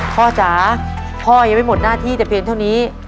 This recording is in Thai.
จ๋าพ่อยังไม่หมดหน้าที่แต่เพียงเท่านี้